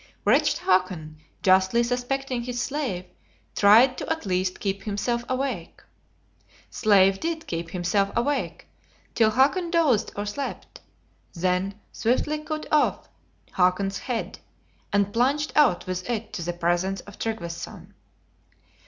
Wretched Hakon, justly suspecting his slave, tried to at least keep himself awake. Slave did keep himself awake till Hakon dozed or slept, then swiftly cut off Hakon's head, and plunged out with it to the presence of Tryggveson.